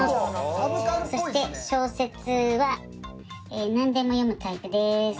そして小説はなんでも読むタイプでーす！